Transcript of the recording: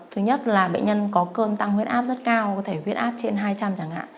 thứ nhất là bệnh nhân có cơm tăng huyết áp rất cao có thể huyết áp trên hai trăm linh chẳng hạn